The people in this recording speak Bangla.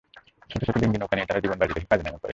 ছোট ছোট ডিঙি নৌকা নিয়ে তারা জীবনবাজি রেখে কাজে নেমে পড়ে।